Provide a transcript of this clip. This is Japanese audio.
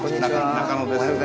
中野です。